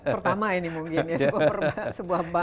pertama ini mungkin ya sebuah